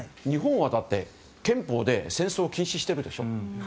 日本は憲法で戦争を禁止しているでしょ。